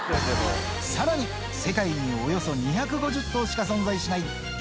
さらに、世界におよそ２５０頭しか存在しない激